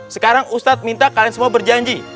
sekarang ustadz minta kalian semua berjanji